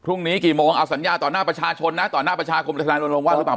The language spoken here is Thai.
พรุ่งนี้กี่โมงเอาสัญญาต่อหน้าประชาชนนะต่อหน้าประชาคมทนายลงว่าหรือเปล่า